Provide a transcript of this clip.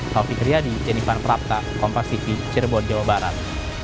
taufiq riyadi yenifan prapta kompas tv cirebon jawa barat